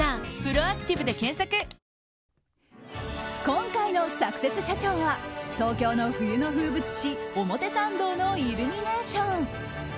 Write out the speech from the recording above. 今回のサクセス社長は東京の冬の風物詩表参道のイルミネーション